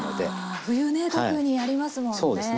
あ冬ね特にありますもんね。